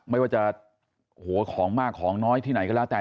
ไม่ว่าจะของมากของน้อยที่ไหนก็แล้ว